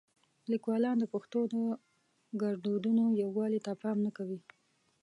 لیکوالان د پښتو د ګړدودونو یووالي ته پام نه کوي.